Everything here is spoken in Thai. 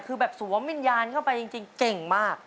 คือแบบสวมวิญญาณเข้าไปจริงเก่งมาก